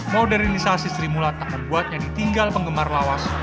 modernisasi sri mulat tak membuatnya ditinggal penggemar lawas